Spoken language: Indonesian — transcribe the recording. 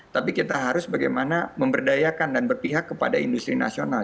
tapi kita harus bagaimana memberdayakan dan berpihak kepada industri nasional